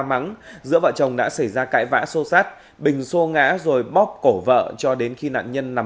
mắng giữa vợ chồng đã xảy ra cãi vã sô sát bình xô ngã rồi bóp cổ vợ cho đến khi nạn nhân nằm